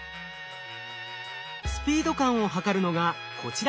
スピード感を測るのがこちらの映像。